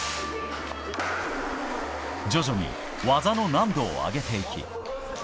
徐々に技の難度を上げていき。